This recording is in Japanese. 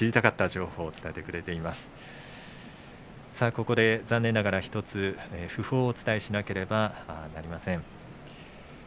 ここで残念ながら訃報をお伝えしなければなりません。